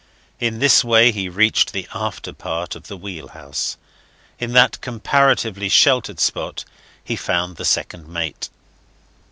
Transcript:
In this way he reached the after part of the wheelhouse. In that comparatively sheltered spot he found the second mate.